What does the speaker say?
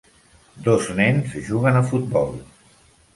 Dos nens juguen a futbol.